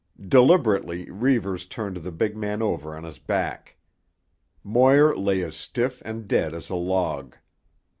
Deliberately Reivers turned the big man over on his back. Moir lay as stiff and dead as a log.